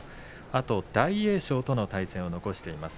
あと大栄翔との対戦を残しています。